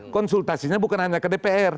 konsultasinya bukan hanya ke dpr